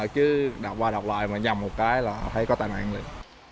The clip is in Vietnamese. chứ đọc qua đọc lại mà nhầm một cái là thấy có tai nạn liền